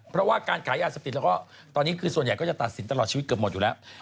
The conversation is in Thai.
เพราะว่าการขายยาเสพติดแล้วก็ตอนนี้คือส่วนใหญ่ก็จะตัดสินตลอดชีวิตเกือบหมดอยู่แล้ว